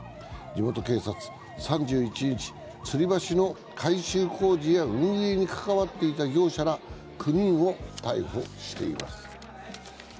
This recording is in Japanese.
地元警察、３１日、つり橋の改修工事や運営に関っていた業者ら９人を逮捕しています。